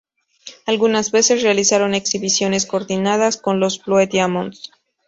Algunas veces realizaron exhibiciones coordinadas con los Blue Diamonds.